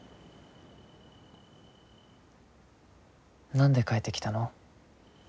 何で帰ってきたの？